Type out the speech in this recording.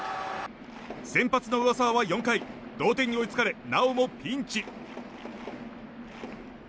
先発の上沢は４回同点に追いつかれなおもピンチ。